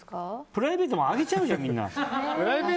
プライベートも上げちゃうじゃん、みんな。